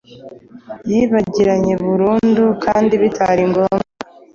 yibagiranye burundu.kandi bitaringombwa